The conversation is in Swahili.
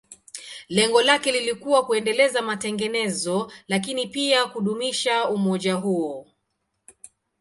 Lengo lake lilikuwa kuendeleza matengenezo, lakini pia kudumisha umoja huo.